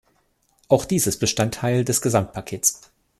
Auch dies ist Bestandteil des Gesamtpakets.